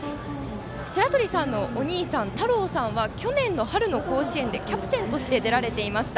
しらとりさんのお兄さんたろうさんは去年の春の甲子園でキャプテンとして出られていました。